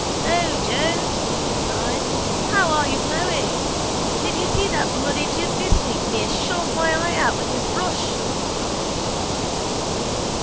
—Lo, Joe, says I. How are you blowing? Did you see that bloody chimneysweep near shove my eye out with his brush?